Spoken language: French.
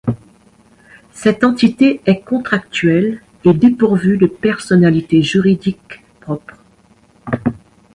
Cette entité est contractuelle et dépourvue de personnalité juridique propre.